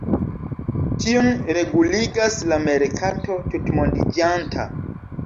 Tion reguligas la merkato tutmondiĝanta.